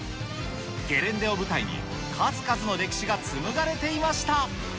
ゲレンデを舞台に、数々の歴史が紡がれていました。